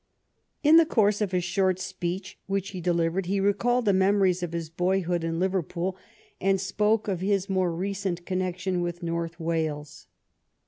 In the course of a short speech which he delivered he recalled the memories of his boyhood in Liverpool, and spoke of his more recent connec tion with North Wales.